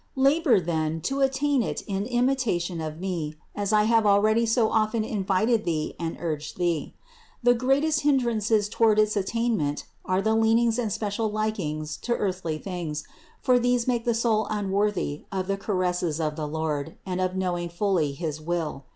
Labor then to attain it in imitation of me, as I have already so often invited thee and urged thee. The greatest hin drances toward its attainment are the leanings and special likings to earthly things; for these make the soul un worthy of the caresses of the Lord and of knowing fully his will.